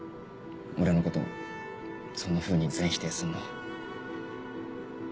俺のことそんなふうに全否定すんの。